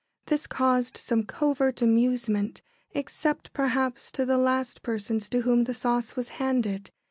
This caused some covert amusement, except, perhaps, to the last persons to whom the sauce was handed.